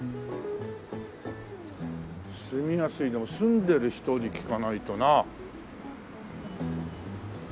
住みやすいでも住んでる人に聞かないとなあ。